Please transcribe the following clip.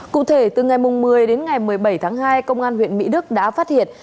cụ thể từ ngày một mươi đến ngày một mươi bảy tháng hai công an huyện mỹ đức đã phát hiện